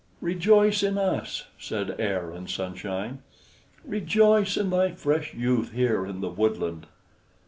"Rejoice in us," said Air and Sunshine. "Rejoice in thy fresh youth here in the woodland."